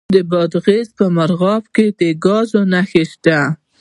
د بادغیس په مرغاب کې د ګازو نښې شته.